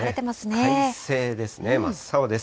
快晴ですね、真っ青です。